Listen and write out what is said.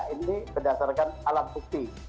ini berdasarkan alat bukti